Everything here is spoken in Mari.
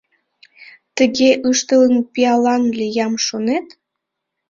Тыге ыштылын, пиалан лиям, шонет?..